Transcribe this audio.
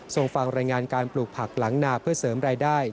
ส่งฟังรายงานการปลูกผักหลังนาเพื่อเสริมรายได้